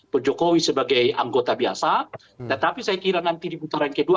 pak jokowi sebagai anggota biasa tetapi saya kira nanti di putaran kedua